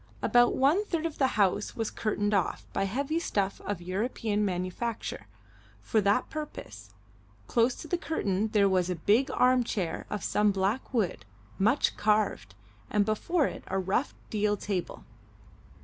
About one third of the house was curtained off, by heavy stuff of European manufacture, for that purpose; close to the curtain there was a big arm chair of some black wood, much carved, and before it a rough deal table.